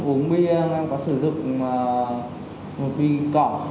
uống bia em có sử dụng bia cỏ